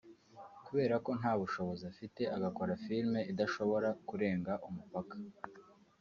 kubera ko nta bushobozi afite agakora filime idashobora kurenga umupaka